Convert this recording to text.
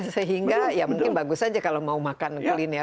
sehingga ya mungkin bagus saja kalau mau makan kuliner